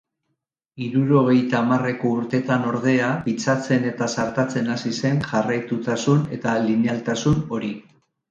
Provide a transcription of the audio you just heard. Hirurogeita hamarreko urteetan, ordea, pitzatzen eta zartatzen hasi zen jarraitutasun eta linealtasun hori.